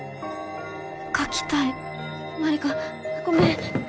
描きたい麻里香ごめん！